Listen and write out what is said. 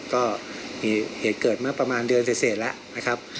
ก็มีเหตุเกิดเมื่อประมาณเดือนเสร็จแล้วนะครับ